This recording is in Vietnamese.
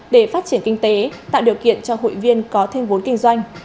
để phát triển kinh tế tạo điều kiện cho hội viên có thêm vốn kinh doanh